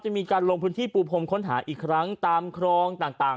มีการลงพื้นที่ปูพรมค้นหาอีกครั้งตามครองต่าง